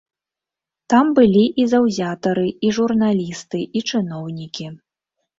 Там былі і заўзятары, і журналісты, і чыноўнікі.